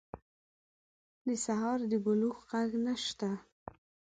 د سهار د بلوغ ږغ نشته